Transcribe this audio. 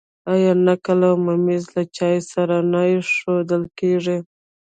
آیا نقل او ممیز له چای سره نه ایښودل کیږي؟